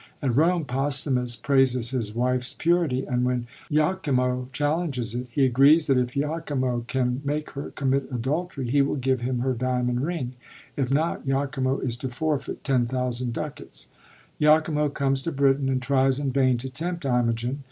At Rome, Posthumus praises his wife's purity, and when lachimo challenges it, he agrees that if lachimo can make her commit adultery he will give him her diamond ring ; if not, lachimo is to forfeit 10,000 ducats. lachimo comes to Britain, and tries in vain to tempt Imogen.